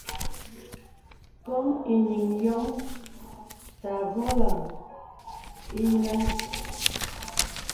Kôm enīŋ yôŋ ntə́ avōlə īngə́nə́.